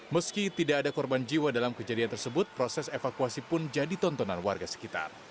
meski tidak ada korban jiwa dalam kejadian tersebut proses evakuasi pun jadi tontonan warga sekitar